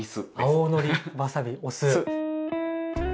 青のりわさびお酢。